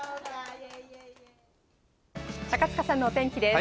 高塚さんのお天気です。